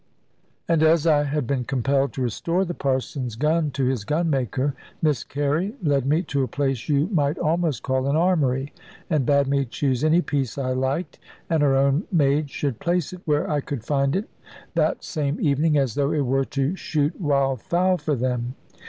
And as I had been compelled to restore the Parson's gun to his gunmaker, Miss Carey led me to a place you might almost call an armoury, and bade me choose any piece I liked, and her own maid should place it where I could find it that same evening, as though it were to shoot wild fowl for them.